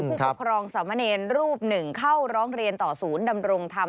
ผู้ปกครองสามเณรรูปหนึ่งเข้าร้องเรียนต่อศูนย์ดำรงธรรม